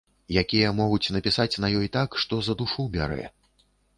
Якія могуць напісаць на ёй так, што за душу бярэ.